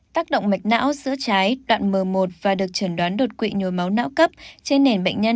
tác động mạch não giữa trái đoạn m một và được chẩn đoán đột quỵ nhồi máu não cấp trên nền bệnh nhân